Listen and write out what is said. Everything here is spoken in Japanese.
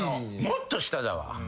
もっと下だわ。